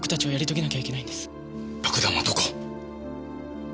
爆弾はどこ？